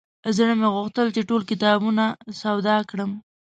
زړه مې غوښتل چې ټول کتابونه سودا کړم.